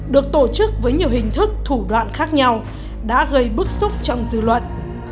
được tổ chức với nhiều hình thức thủ đoạn khác nhau đã gây bức xúc trong dư luận